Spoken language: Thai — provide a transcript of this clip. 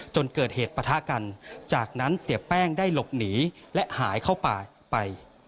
จนเกิดเหตุปะทะกันจากนั้นเสียแป้งได้หลบหนีและหายเข้าป่าไป